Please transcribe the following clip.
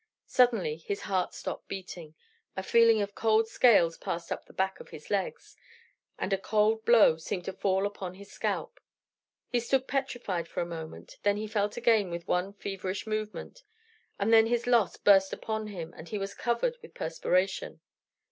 Suddenly his heart stopped beating; a feeling of cold scales passed up the back of his legs, and a cold blow seemed to fall upon his scalp. He stood petrified for a moment; then he felt again with one feverish movement; and then his loss burst upon him, and he was covered with perspiration.